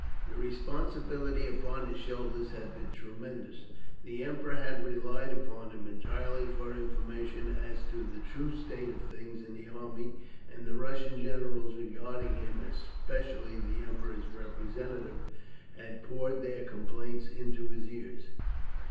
The responsibility upon his shoulders had been tremendous. The Emperor had relied upon him entirely for information as to the true state of things in the army, and the Russian generals regarding him as specially the Emperor's representative, had poured their complaints into his ears.